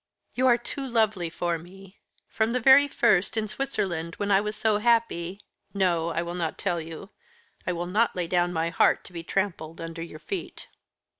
"You are too lovely for me. From the very first, in Switzerland, when I was so happy no, I will not tell you. I will not lay down my heart to be trampled under your feet."